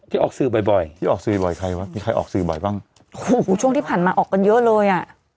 ออกสื่อบ่อยบ่อยที่ออกสื่อบ่อยใครวะมีใครออกสื่อบ่อยบ้างโอ้โหช่วงที่ผ่านมาออกกันเยอะเลยอ่ะ